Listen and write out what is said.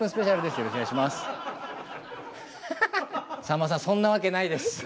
さんまさんそんなわけないです。